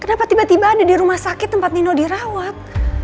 kenapa tiba tiba ada di rumah sakit tempat nino dirawat